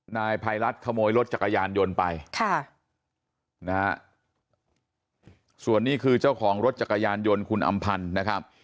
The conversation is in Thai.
นายภัยรัฐขโมยรถจักรยานยนต์ไปค่ะนะฮะส่วนนี้คือเจ้าของรถจักรยานยนต์คุณอำพันธ์นะครับ